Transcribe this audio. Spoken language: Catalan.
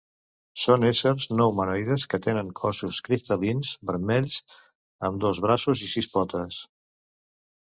Són éssers no humanoides que tenen cossos cristal·lins vermells, amb dos braços i sis potes.